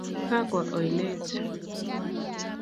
Kakwo oineet.